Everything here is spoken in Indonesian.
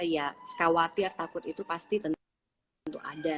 ya khawatir takut itu pasti tentu ada